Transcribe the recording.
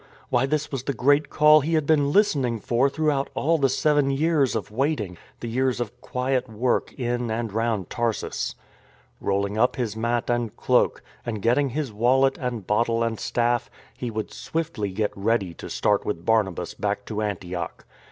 Why, this was the great call he had been listening for throughout all the seven years of waiting, the years of quiet work in and round Tarsus. Rolling up his mat and cloak, and getting his wallet and bottle and staff, he would swiftly get ready to start with Barnabas back to Antioch.